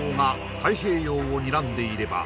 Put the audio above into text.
「太平洋をにらんでいれば」